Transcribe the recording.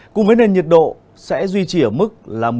cùng với nền nhiệt độ sẽ duy trì ở mức